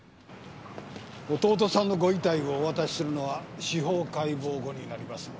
弟さんのご遺体をお渡しするのは司法解剖後になりますので。